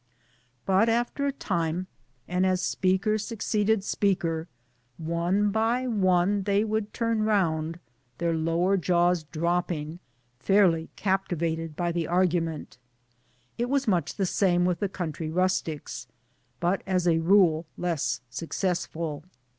But after a time, and as speaker succeeded speaker, one by one they would turn round their lower jaws dropping fairly captivated by the argument. It was much the same with the country rustics but as a rule less successful.